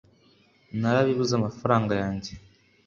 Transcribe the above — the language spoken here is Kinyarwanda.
ntarabibuze amafaranga yanjye